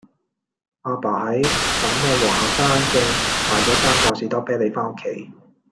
亞爸喺粉嶺皇后山徑買左三磅士多啤梨返屋企